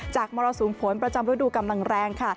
จากมรสูงฝนประจำฤดูกำลังแรง